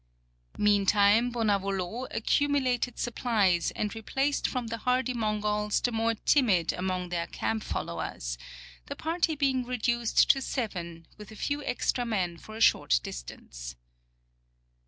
Meantime Bonavolot accumulated supplies and replaced from the hardy Mongols the more timid among their camp followers, the part}^ being reduced to seven, with a few extra men for a short distance.